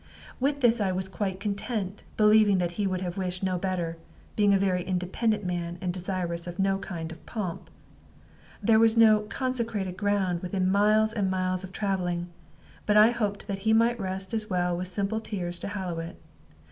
With this I was quite content, believing that he would have wished no better, being a very independent man, and desirous of no kind of pomp. There was no "consecrated ground" within miles and miles of traveling; but I hoped that he might rest as well with simple tears to hallow it.